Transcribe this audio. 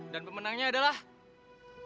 dan pemenangnya adalah